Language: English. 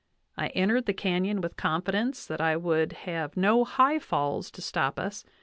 I entered the canyon with confidence that I would have no high falls to stop us